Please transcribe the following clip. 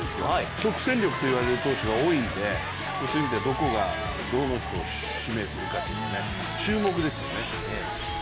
即戦力といわれる投手が多いのでそういう意味ではどこがどの人を指名するかというのが注目ですよね。